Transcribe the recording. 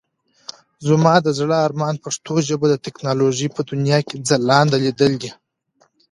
زما د زړه ارمان پښتو ژبه د ټکنالوژۍ په دنيا کې ځلانده ليدل دي.